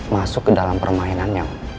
masuk ke dalam permainan yang